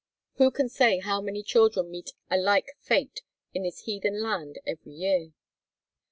Who can say how many children meet a like fate in this heathen land every year?